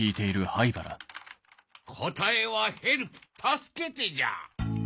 答えは「ヘルプ」「助けて」じゃ。